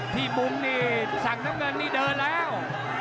มุมนี่สั่งน้ำเงินนี่เดินแล้ว